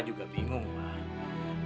aku gak mau ikut ikut